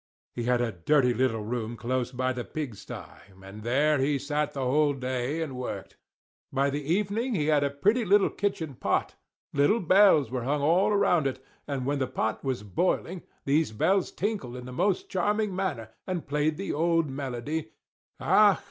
He had a dirty little room close by the pigsty; and there he sat the whole day, and worked. By the evening he had made a pretty little kitchen pot. Little bells were hung all round it; and when the pot was boiling, these bells tinkled in the most charming manner, and played the old melody, "Ach!